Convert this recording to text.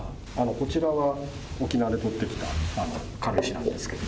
こちらが沖縄でとってきた軽石なんですけれども。